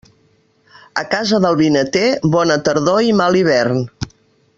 A casa del vinater, bona tardor i mal hivern.